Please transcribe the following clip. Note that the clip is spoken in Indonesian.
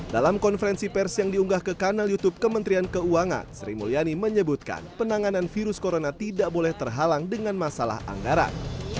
dalam konferensi pers yang diunggah ke kanal youtube kementerian keuangan sri mulyani menyebutkan penanganan virus corona tidak boleh terhalang dengan masalah anggaran